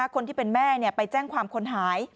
คนที่เป็นแม่ไปแจ้งความคนหาย